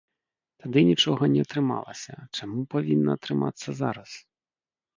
Тады нічога не атрымалася, чаму павінна атрымацца зараз?